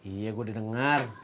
iya gue udah denger